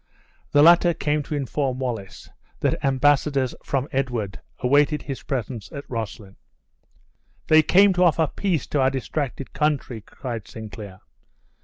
The latter came to inform Wallace that embassadors from Edward awaited his presence at Roslyn. "They came to offer peace to our distracted country," cried Sinclair.